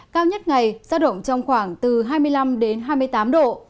cao nhất ngày giao động trong khoảng từ hai mươi năm đến hai mươi tám độ